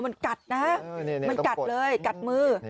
มันกัดนะมันกัดเลยกัดมือ